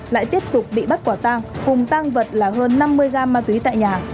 lại tiếp tục bị bắt quả tăng cùng tăng vật là hơn năm mươi gram ma túy tại nhà